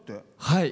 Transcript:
はい。